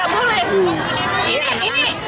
jangan disegel nggak boleh